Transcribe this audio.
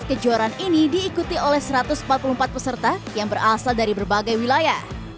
kejuaraan ini diikuti oleh satu ratus empat puluh empat peserta yang berasal dari berbagai wilayah